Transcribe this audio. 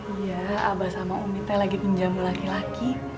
iya abah sama umi teh lagi pinjam ke laki laki